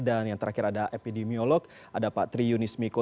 dan yang terakhir ada epidemiolog ada pak tri yunis miko